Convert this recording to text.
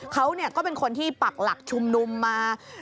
เขาก็เป็นคนที่ปักหลักชุมนุมมา